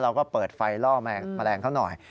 เราก็เปิดไฟล่อแมลงเขาหน่อย